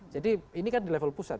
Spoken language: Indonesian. jadi ini kan di level pusat